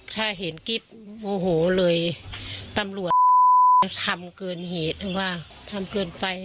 ถ้าเห็นกิ๊บโมโหเลยตำรวจจะทำเกินเหตุถึงว่าทำเกินไป